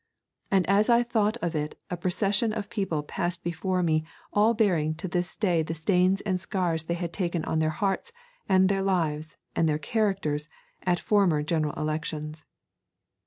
And as I thought of it a procession of people passed before me all bearing to this day the stains and scars they had taken on their hearts and their lives and their characters at former general elections.